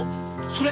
それ。